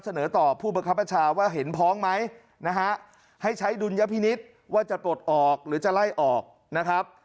เสนอต่อผู้บังคับประชาว่าเห็นพ้องไหมนะฮะให้ใช้ดุลยพินิษฐ์ว่าจะปลดออกหรือจะไล่ออกนะครับ